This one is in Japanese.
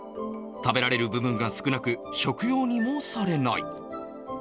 食べられる部分が少なく、食用にもされない。